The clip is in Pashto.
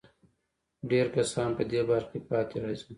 ډېر کسان په دې برخه کې پاتې راځي.